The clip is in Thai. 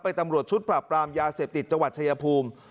ตำรวจชุดปรับปรามยาเสพติดจังหวัดชายภูมิ